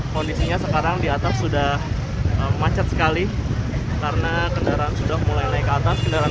kondisinya sekarang di atas sudah macet sekali karena kendaraan sudah mulai naik ke atas kendaraan